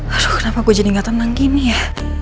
aduh kenapa gue jadi gak tenang gini ya